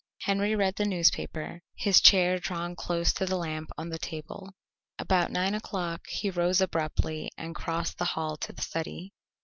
Henry read the newspaper, his chair drawn close to the lamp on the table. About nine o'clock he rose abruptly and crossed the hall to the study.